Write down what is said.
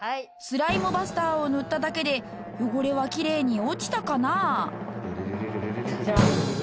スライムバスターを塗っただけで汚れはきれいに落ちたかな？